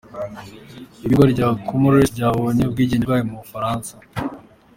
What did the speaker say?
Ibirwa bya Comores byabonye ubwigenge bwabyo ku Bufaransa.